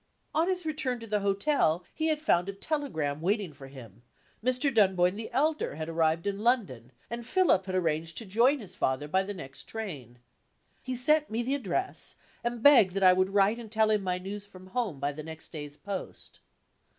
On his return to the hotel he had found a telegram waiting for him. Mr. Dunboyne the elder had arrived in London; and Philip had arranged to join his father by the next train. He sent me the address, and begged that I would write and tell him my news from home by the next day's post.